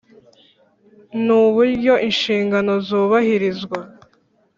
nu buryo inshingano zubahirizwa.